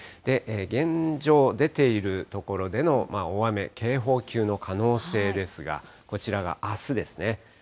現状、出ているところでの大雨、警報級の可能性ですが、こちらがあすですね。